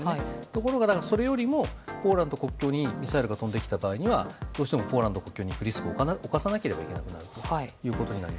ところがそれよりもポーランド国境にミサイルが飛んできた場合にはどうしてもポーランド国境にリスクを課さなければいけないと。